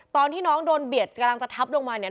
ตอนที่น้องโดนเบียดกำลังจะทับลงมาเนี่ย